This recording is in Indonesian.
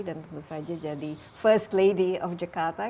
dan terus saja jadi first lady of jakarta